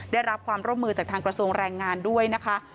ได้รับความร่วมมือจากทางกระทรวงแรงงานด้วยนะคะ